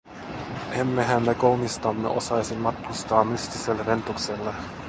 Emmehän me kolmistamme osaisi matkustaa mystiselle Ventukselle.